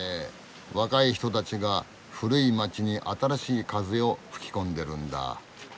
若い人たちが古い街に新しい風を吹き込んでるんだ。